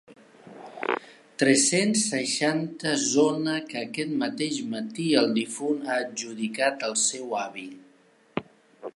Tres-cents seixanta zona que aquest mateix matí el difunt ha adjudicat al seu avi.